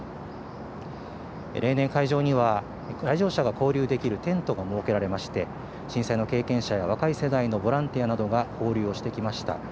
例年、会場には来場者が交流できるテントが設けられまして、震災の経験者や若い世代のボランティアなどが交流をしてきました。